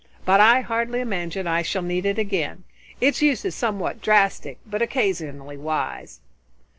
But I hardly imagine I shall need it again. Its use is somewhat drastic, but occasionally wise."